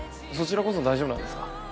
そちらこそ大丈夫なんですか？